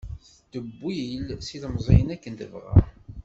Teddewwil s ilemẓiyen akken tebɣa.